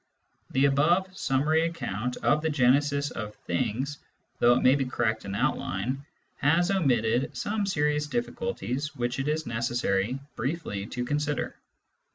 The above summary account of the genesis of " things," though it may be correct in outline, has omitted some serious difficulties which it is necessary briefly to consider.